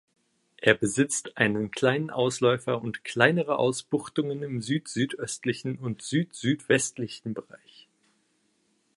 Er besitzt einen kleinen Ausläufer und kleinere Ausbuchtungen im süd-südöstlichen und süd-südwestlichen Bereich.